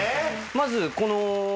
まずこの。